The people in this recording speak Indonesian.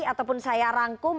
ataupun saya rangkum